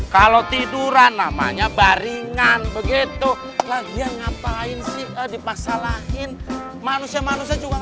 kalau tiduran namanya baringan begitu lagi ngapain sih dipaksa lain manusia manusia juga